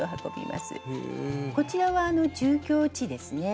こちらは住居地ですね。